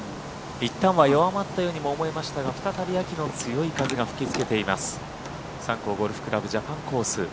いったんは弱まったようにも思いましたが再び秋の強い風が吹きつけています三甲ゴルフ倶楽部ジャパンコース。